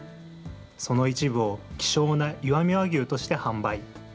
その一部を希少な石見和牛として販売。